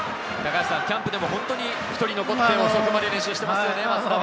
キャンプでも１人残って遅くまで練習していましたよね、松田は。